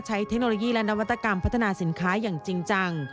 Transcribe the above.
เทคโนโลยีและนวัตกรรมพัฒนาสินค้าอย่างจริงจัง